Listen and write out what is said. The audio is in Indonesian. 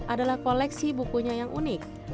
buku buku ini adalah koleksi bukunya yang unik